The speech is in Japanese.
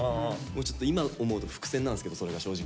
ちょっと今思うと伏線なんですけどそれが正直。